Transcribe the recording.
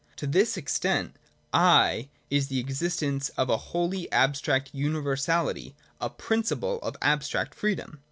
To this extent, ' I ' is the existence of a wholly abstract universality, a principle of abstract freedom.